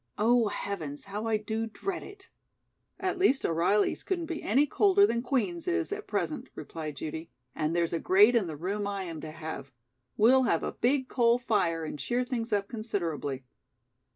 Oh, heavens, how I do dread it!" "At least O'Reilly's couldn't be any colder than Queen's is at present," replied Judy, "and there's a grate in the room I am to have. We'll have a big coal fire and cheer things up considerably."